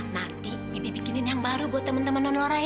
nanti bibi bikinin yang baru buat temen temen non lora ya